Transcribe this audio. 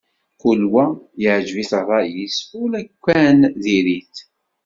Kul wa yeɛǧeb-it ṛṛay-is, ulukan diri-t.